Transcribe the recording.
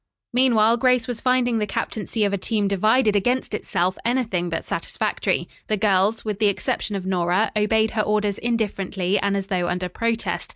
Meanwhile Grace was finding the captaincy of a team divided against itself anything but satisfactory. The girls, with the exception of Nora, obeyed her orders indifferently and as though under protest.